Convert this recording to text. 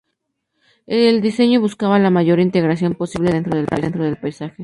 El diseño buscaba la mayor integración posible de la obra dentro del paisaje.